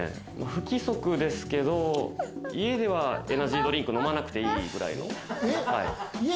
不規則ですけど、家ではエナジードリンク飲まなくていいくらいの。